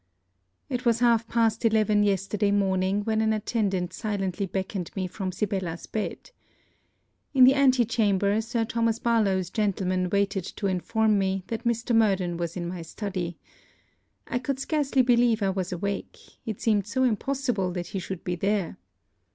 It was half past eleven yesterday morning when an attendant silently beckoned me from Sibella's bed. In the antichamber, Sir Thomas Barlowe's gentleman waited to inform me that Mr. Murden was in my study. I could scarcely believe I was awake; it seemed so impossible that he should be there.